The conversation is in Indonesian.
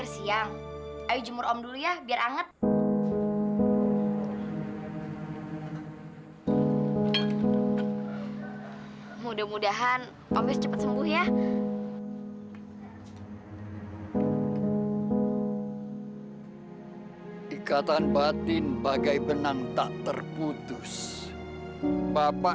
sampai jumpa di video selanjutnya